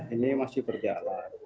ini masih berjalan